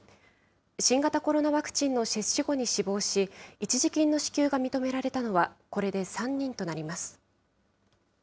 新型コロナワクチンの接種後に死亡し、一時金の支給が認められたのは、これで３人となります。